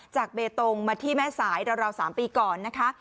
เบตงมาที่แม่สายราว๓ปีก่อนนะคะ